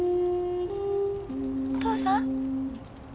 お父さん？